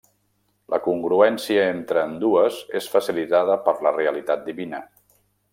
La congruència entre ambdues és facilitada per la realitat divina.